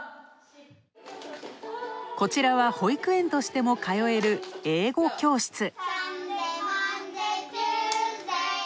こちらは保育園としても通える英語教室。